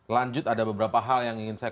lanjut ada beberapa hal yang ingin saya